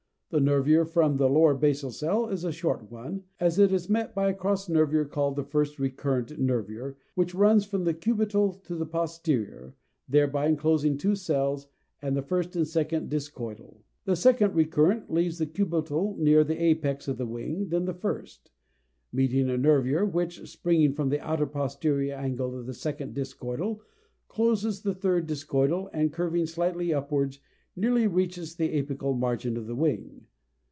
The nervure from the lower basal cell is a short one, as it is met by a cross nervure called the first recurrent nervure (10), which runs from the cubital to the posterior, thereby enclosing two cells, the first (G) and second (H) discoidal. The second recurrent (11) leaves the cubital nearer the apex of the wing than the first, meeting a nervure which, springing from the outer posterior angle of the second discoidal, closes the third discoidal (I), and, curving slightly upwards, nearly reaches the apical margin of the wing.